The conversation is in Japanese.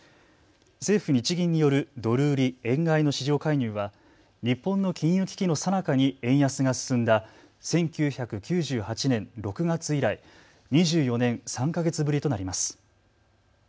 政府、日銀によるドル売り円買いの市場介入は日本の金融危機のさなかに円安が進んだ１９９８年６月以来、２４年３か月ぶりとなります。